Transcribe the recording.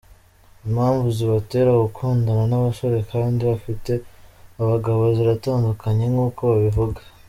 Impamvu zibatera gukundana n’abasore kandi bafite abagabo ziratandukanye nk’uko babivuga.